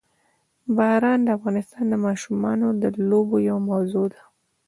باران د افغان ماشومانو د لوبو یوه موضوع ده.